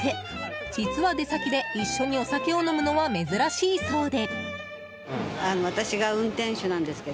実は出先で一緒にお酒を飲むのは珍しいそうで。